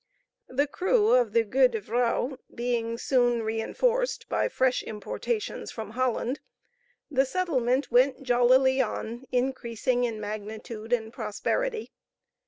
The crew of the Goede Vrouw being soon reinforced by fresh importations from Holland, the settlement went jollily on increasing in magnitude and prosperity.